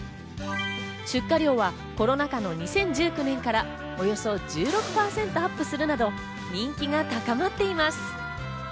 出荷量はコロナ禍の２０１９年からおよそ１６％アップするなど、人気が高まっています。